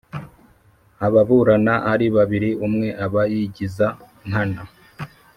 ababurana ari babiri umwe aba yigiza nkana.